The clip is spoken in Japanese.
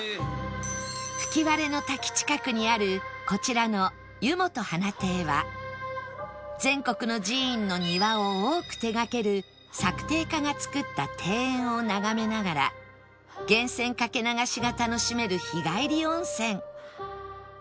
吹割の滝近くにあるこちらの湯元華亭は全国の寺院の庭を多く手がける作庭家が造った庭園を眺めながら源泉かけ流しが楽しめる日帰り温泉